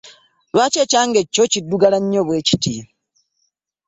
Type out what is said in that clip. Lwaki ekyangwe kyo kiddugala nnyo bwe kiti?